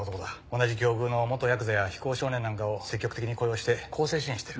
同じ境遇の元ヤクザや非行少年なんかを積極的に雇用して更生支援してる。